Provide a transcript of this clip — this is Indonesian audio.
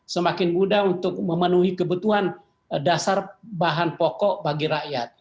semakin mudah untuk memenuhi kebutuhan dasar bahan pokok bagi rakyat